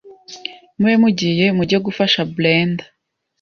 mube mugiye mujye gufasha Brendah